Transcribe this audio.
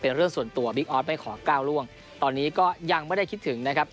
เรื่องส่วนตัวบิ๊กออสไม่ขอก้าวล่วงตอนนี้ก็ยังไม่ได้คิดถึงนะครับ